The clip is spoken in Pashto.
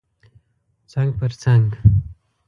څنګ پر څنګ